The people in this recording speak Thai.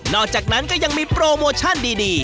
อกจากนั้นก็ยังมีโปรโมชั่นดี